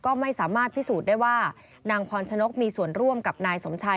ก็ไม่สามารถพิสูจน์ได้ว่านางพรชนกมีส่วนร่วมกับนายสมชัย